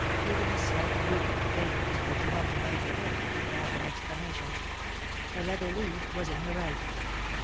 Even the slight movement pained her so that she had to bite her lip to keep back an exclamation. The leather lead was in her right.